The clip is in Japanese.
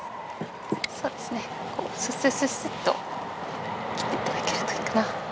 そうですねスッスッスッスっと切っていただけるといいかな。